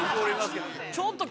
ちょっと。